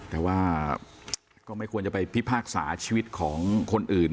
แต่ว่าก็ไม่ควรจะไปพิพากษาชีวิตของคนอื่น